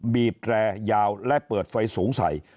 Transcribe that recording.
บีบแรยาวและเปิดไฟสูงใส่